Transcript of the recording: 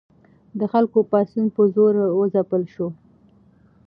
د خلکو پاڅون په زور وځپل شو.